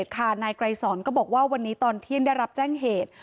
นายไกรสอนก็บอกว่าวันนี้ตอนเที่ยงได้รับแจ้งเหตุ